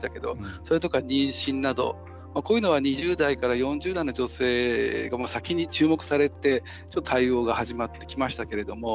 それとか妊娠などこういうのは２０代から４０代の女性が先に注目されて対応が始まってきましたけれども。